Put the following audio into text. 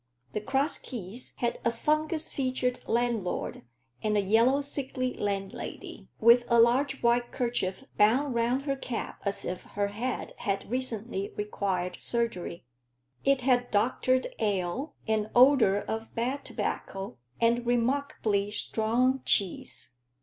The Cross Keys had a fungous featured landlord and a yellow sickly landlady, with a large white kerchief bound round her cap, as if her head had recently required surgery; it had doctored ale, an odor of bad tobacco, and remarkably strong cheese.